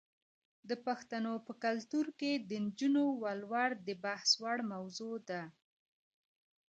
د پښتنو په کلتور کې د نجونو ولور د بحث وړ موضوع ده.